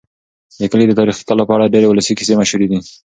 د کلي د تاریخي کلا په اړه ډېرې ولسي کیسې مشهورې دي.